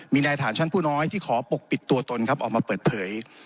มีนายฐานชั้นผู้น้อยที่ขอปกปิดตัวตนครับออกมาเปิดเผย